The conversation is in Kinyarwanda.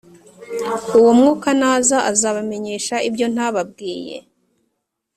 uwo mwuka naza azabamenyesha ibyo ntababwiye